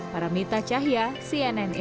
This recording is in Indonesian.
paramita chahya cnn indonesia